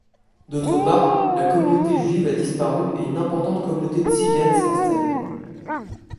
D'autre part, la communauté juive a disparu et une importante communauté tsigane s'est installée.